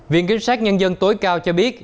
viện kiểm soát nhân dân tối cao cho biết